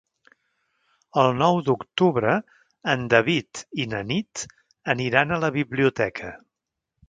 El nou d'octubre en David i na Nit aniran a la biblioteca.